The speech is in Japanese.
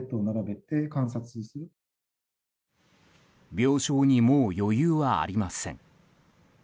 病床にもう余裕はありません。